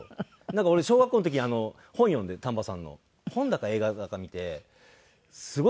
なんか俺小学校の時に本読んで丹波さんの。本だか映画だか見てすごい怖いなと思って。